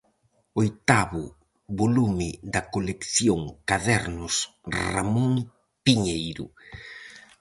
Oitavo volume da colección Cadernos Ramón Piñeiro.